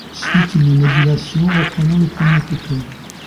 Suit une modulation, reprenant le premier couplet.